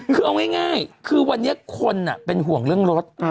คือเอาง่ายคือวันนี้คนเป็นห่วงเรื่องรถ